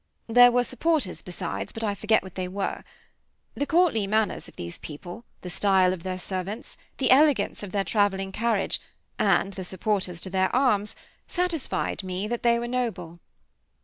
There were supporters besides, but I forget what they were. The courtly manners of these people, the style of their servants, the elegance of their traveling carriage, and the supporters to their arms, satisfied me that they were noble.